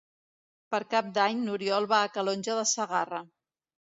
Per Cap d'Any n'Oriol va a Calonge de Segarra.